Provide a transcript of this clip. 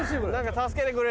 助けてくれ！